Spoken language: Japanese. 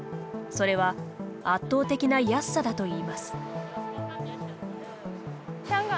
それは圧倒的な安さだといいます。